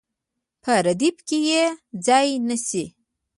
په ردیف کې یې ځای نیسي.